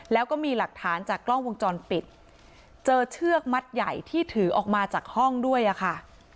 แล้วก็มีหลักฐานจากกล้องวงจรปิดเจอเชือกมัดใหญ่ที่ถือออกมาจากห้องด้วยอะค่ะ